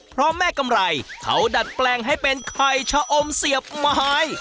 เพราะแม่กำไรเขาดัดแปลงให้เป็นไข่ชะอมเสียบไม้